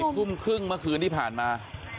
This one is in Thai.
ทุ่มครึ่งเมื่อคืนที่ผ่านมา